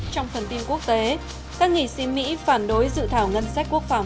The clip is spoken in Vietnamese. trong phần tin quốc tế các nghị sĩ mỹ phản đối dự thảo ngân sách quốc phòng